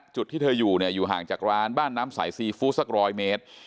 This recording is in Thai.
ที่เธออยู่เนี่ยอยู่ห่างจากร้านบ้านน้ำสายซีฟู้ดสัก๑๐๐เมตร